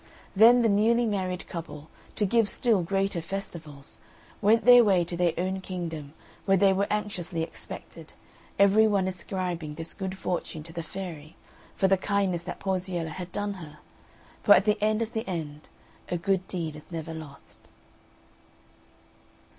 Then the newly married couple, to give still greater festivals, went their way to their own kingdom, where they were anxiously expected, every one ascribing this good fortune to the fairy, for the kindness that Porziella had done her; for at the end of the end "A good deed is never lost."